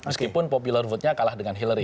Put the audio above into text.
meskipun popular vote nya kalah dengan hillary